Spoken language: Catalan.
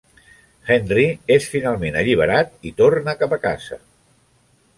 Henry és finalment alliberat i torna cap a casa.